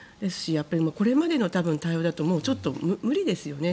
これまでの対応だとちょっと無理ですよね。